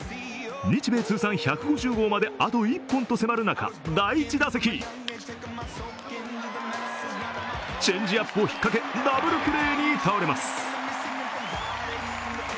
日米通算１５０号まで、あと１本と迫る中、第１打席チェンジアップを引っかけダブルプレーに倒れます。